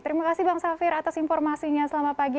terima kasih bang safir atas informasinya selamat pagi